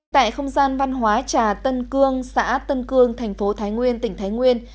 tại không gian văn hóa trà tân cương xã tân cương thành phố thái nguyên tỉnh thái nguyên